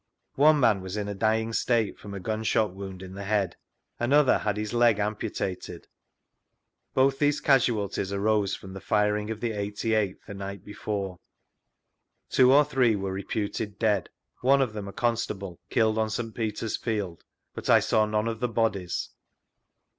One man was in a dying state from a gunshot wound in the head; another had had his leg amputated; both these casualties arose from the firing of the 88th the night before. Two or three werte reputed dead; one of them a constable, killed on St. Peter's field, but I saw none of the bodies.